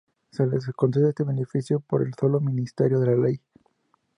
Se les concede este beneficio por el solo ministerio de la ley.